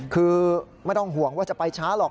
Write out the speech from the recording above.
คือไม่ต้องห่วงว่าจะไปช้าหรอก